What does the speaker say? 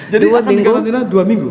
jadi akan dikarantina dua minggu